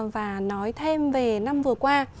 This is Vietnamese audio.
và nói thêm về năm vừa qua